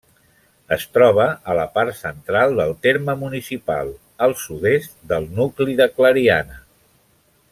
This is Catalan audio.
Es troba a la part central del terme municipal, al sud-est del nucli de Clariana.